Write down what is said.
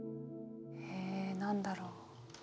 え何だろう。